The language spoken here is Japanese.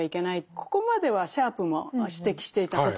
ここまではシャープも指摘していたことなんですね。